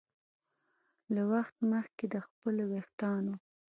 له وخت مخکې د خپلو ویښتانو